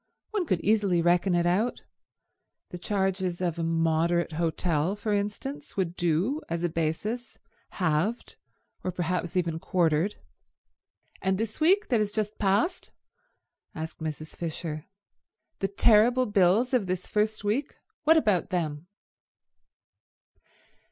One could easily reckon it out. The charges of a moderate hotel, for instance, would do as a basis, halved, or perhaps even quartered." "And this week that has just passed?" asked Mrs. Fisher. "The terrible bills of this first week? What about them?"